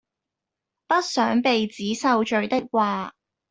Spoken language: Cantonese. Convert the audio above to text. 不想鼻子受罪的話